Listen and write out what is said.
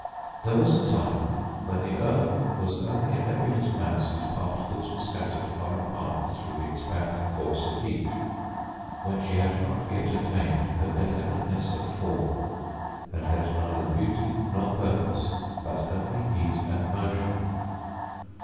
There was a time when the earth was only a nebulous mass whose particles were scattered far apart through the expanding force of heat; when she had not yet attained her definiteness of form and had neither beauty nor purpose, but only heat and motion.